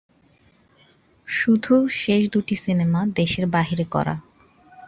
শুধু শেষ দুটি সিনেমা দেশের বাইরে করা।